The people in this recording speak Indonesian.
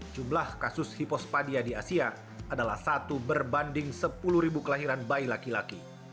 jumlah kasus hipospadia di asia adalah satu berbanding sepuluh kelahiran bayi laki laki